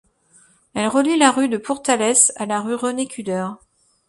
Elle relie la rue de Pourtalès à la rue René-Kuder.